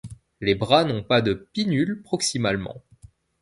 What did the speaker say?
Les bras n'ont pas de pinnules proximalement.